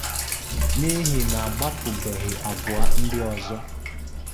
n'ihi na a gbapèbèghị abụọ ndị ọzọ.